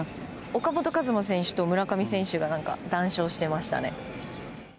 岡本和真選手と村上選手が談笑してましたね。